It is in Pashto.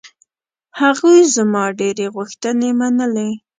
هغوی زما ډېرې غوښتنې منلې.